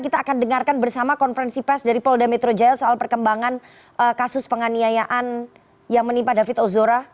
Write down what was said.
kita akan dengarkan bersama konferensi pers dari polda metro jaya soal perkembangan kasus penganiayaan yang menimpa david ozora